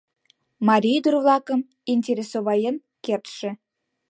Марий ӱдыр-влакым интересоваен кертше...